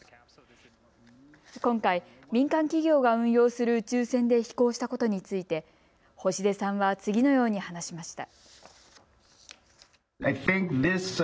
今回、民間企業が運用する宇宙船で飛行したことについて星出さんは次のように話しました。